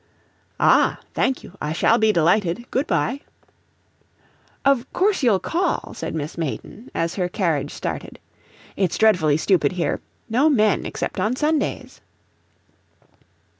"Ah, thank you; I shall be delighted. Good by." "Of course you'll call," said Miss Mayton, as her carriage started, "it's dreadfully stupid here no men except on Sundays."